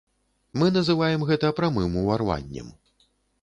Мы называем гэта прамым уварваннем.